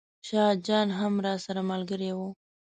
شاه جان هم راسره ملګری و.